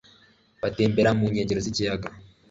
Batembera mu nkengero z'ikiyaga,